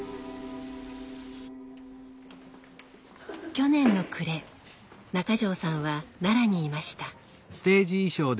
去年の暮れ中条さんは奈良にいました。